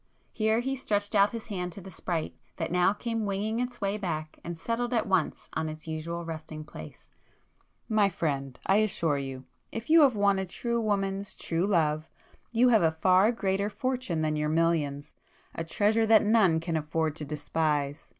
Here he stretched out his hand to the 'sprite,' that now came winging its way back, and settled at once on its usual resting place; "My friend, I assure you, if you have won a true woman's true love, you have a far greater fortune than your millions,—a treasure that none can afford to despise."